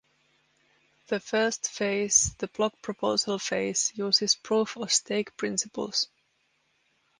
The first phase (the block proposal phase) uses proof of stake principles.